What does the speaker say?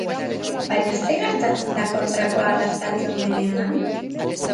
Baina zer gertatzen da kontrakoa gertatzen denean?